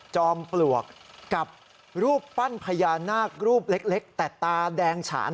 จอมปลวกกับรูปปั้นพญานาครูปเล็กแต่ตาแดงฉาน